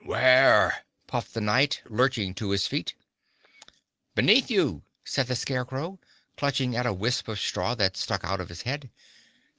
"Where?" puffed the Knight, lurching to his feet. "Beneath you," said the Scarecrow, clutching at a wisp of straw that stuck out of his head.